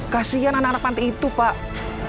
kasian anak anak panti itu pak